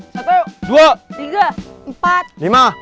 satu dua tiga empat lima